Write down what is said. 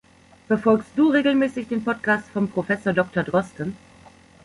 Verfolgst du regelmäßig den Podcast vom Professor Doktor Drosten?